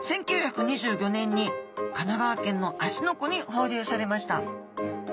１９２５年に神奈川県の芦ノ湖に放流されました。